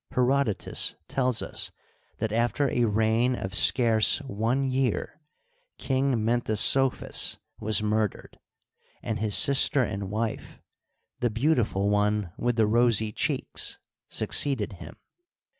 Herodotus tells us that, after a reign of scarce one year. King Menthesou phis was murdered, and his sister and wife, " the beautiful one with the rosy cheeks," succeeded him.